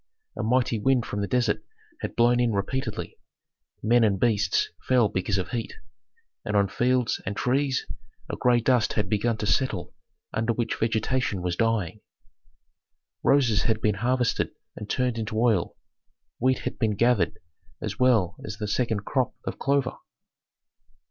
A mighty wind from the desert had blown in repeatedly; men and beasts fell because of heat, and on fields and trees a gray dust had begun to settle under which vegetation was dying. Roses had been harvested and turned into oil; wheat had been gathered as well as the second crop of clover.